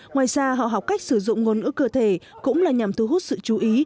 ngoài ra họ học cách sử dụng ngôn ngữ cơ thể cũng là nhằm thu hút sự chú ý